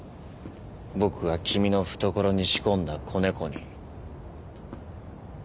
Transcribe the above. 僕が君の懐に仕込んだ子猫に。